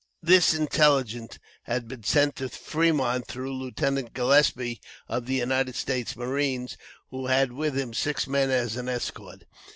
This intelligence had been sent to Fremont through Lieutenant Gillespie, of the United States marines, who had with him six men as an escort.